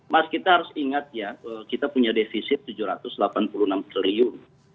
mas kita harus ingat ya kita punya defisit rp tujuh ratus delapan puluh enam triliun